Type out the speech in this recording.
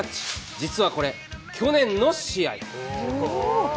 実はこれ、去年の試合。